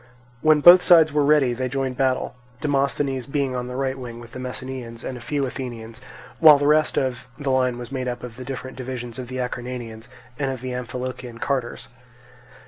When both sides were ready they joined battle; Demosthenes being on the right wing with the Messenians and a few Athenians, while the rest of the line was made up of the different divisions of the Acarnanians, and of the Amphilochian carters.